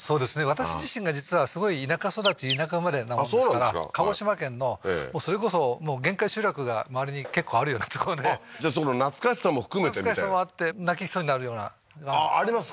私自身が実はすごい田舎育ち田舎生まれなもんですからあっそうなんですか鹿児島県のそれこそ限界集落が周りに結構あるようなとこでじゃあ懐かしさも含めてみたいな懐かしさもあって泣きそうになるようなあっありますか？